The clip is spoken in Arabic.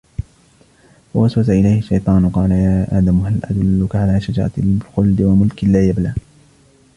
فوسوس إليه الشيطان قال يا آدم هل أدلك على شجرة الخلد وملك لا يبلى